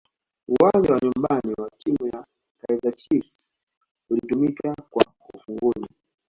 uwanja wa nyumbani wa timu ya kaizer chiefs ulitumika kwa ufunguzi